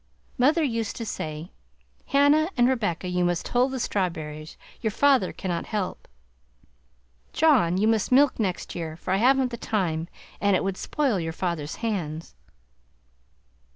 Mother used to say: "Hannah and Rebecca, you must hull the strawberries, your father cannot help." "John, you must milk next year for I haven't the time and it would spoil your father's hands."